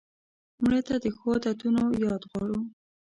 مړه ته د ښو عادتونو یاد غواړو